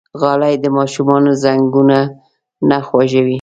غالۍ د ماشومانو زنګونونه نه خوږوي.